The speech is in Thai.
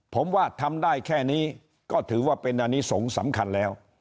ผมว่าทำได้แค่นี้ก็ถือว่าเป็นอันนี้สงฆ์สำคัญแล้ว